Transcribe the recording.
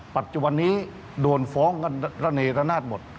ปัจจุบันนี้โดนฟ้องกันระเนระนาดหมด